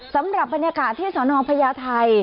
สำหรับบรรยากาศที่สนพญาไทย